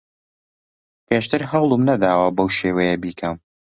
پێشتر هەوڵم نەداوە بەو شێوەیە بیکەم.